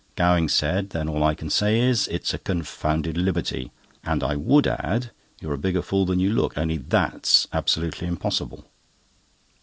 Gowing said: "Then all I can say is, it's a confounded liberty; and I would add, you're a bigger fool than you look, only that's absolutely impossible."